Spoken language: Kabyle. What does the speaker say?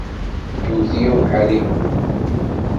Yewwet-iyi ubeḥri.